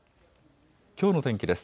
きょうの天気です。